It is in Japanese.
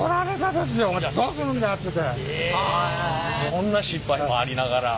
そんな失敗もありながら。